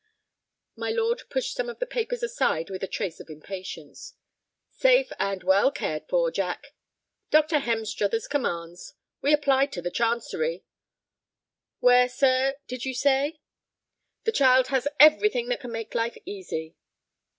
My lord pushed some of the papers aside with a trace of impatience. "Safe, and well cared for, Jack. Dr. Hemstruther's commands. We applied to the Chancery—" "Where, sir, did you say?" "The child has everything that can make life easy."